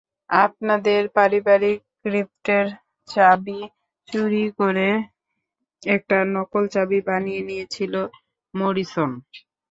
আপনাদের পারিবারিক ক্রিপ্টের চাবি চুরি করে একটা নকল চাবি বানিয়ে নিয়েছিল মরিসন।